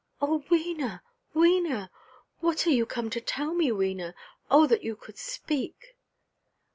"Oh, Wena, Wena! what are you come to tell me, Wena? Oh that you could speak!"